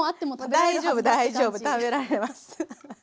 大丈夫大丈夫食べられます。